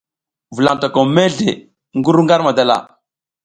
Vulaƞ tokom mezle ngi ru ar madala.